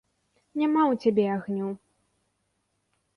Няма ў цябе агню.